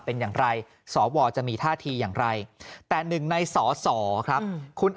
เป็นอย่างไรสวจะมีท่าทีอย่างไรแต่หนึ่งในสอสอครับคุณ